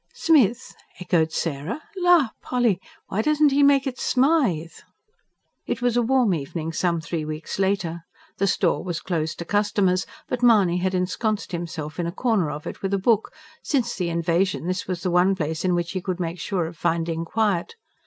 "Smith?" echoed Sarah. "La, Polly! Why don't he make it Smythe?" It was a warm evening some three weeks later. The store was closed to customers; but Mahony had ensconced himself in a corner of it with a book: since the invasion, this was the one place in which he could make sure of finding quiet.